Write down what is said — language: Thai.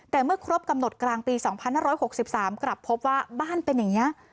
แต่เมื่อครบกำหนดกลางปีสองพันห้าร้อยหกสิบสามกลับพบว่าบ้านเป็นอย่างเงี้ย